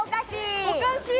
おかしい